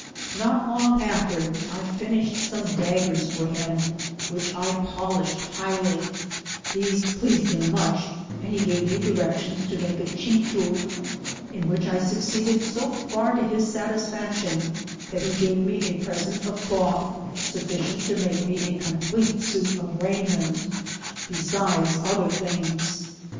Not long after I finished some daggers for bim, which I polished highly ; these pleased him much, and he gave me directions to make a cheetoolth, ia which I succeeded so far to his satisfaction, that he gave me a present of cloth sufficient to make me a complete suit of raiment, besides otiier things.